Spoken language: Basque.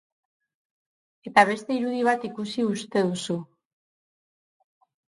Eta beste irudi bat ikusi uste duzu...